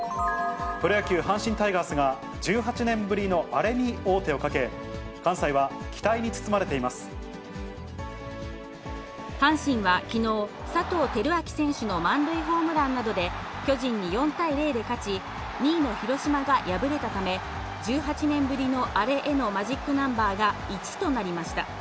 プロ野球・阪神タイガースが、１８年ぶりのアレに王手をかけ、阪神はきのう、佐藤輝明選手の満塁ホームランなどで巨人に４対０で勝ち、２位の広島が敗れたため、１８年ぶりのアレへのマジックナンバーが１となりました。